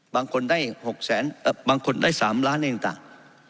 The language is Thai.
บางคนได้๓ล้านในต่าง